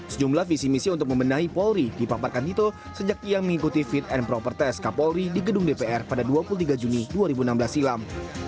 sejumlah visi misi untuk membenahi polri dipaparkan tito sejak ia mengikuti fit and proper test kapolri di gedung dpr pada dua puluh tiga juni dua ribu enam belas silam